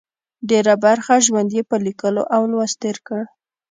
ډېره برخه ژوند یې په لیکلو او لوست تېر کړه.